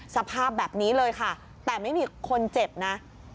สภาพแบบนี้เลยค่ะแต่ไม่มีคนเจ็บนะ